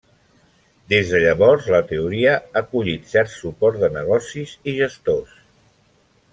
Des de llavors la teoria ha collit cert suport de negocis i gestors.